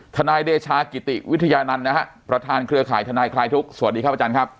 นายเดชากิติวิทยานันต์นะฮะประธานเครือข่ายทนายคลายทุกข์สวัสดีครับอาจารย์ครับ